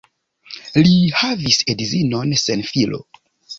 Li havis edzinon sen filo.